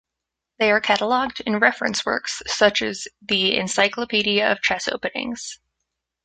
They are catalogued in reference works such as the "Encyclopaedia of Chess Openings".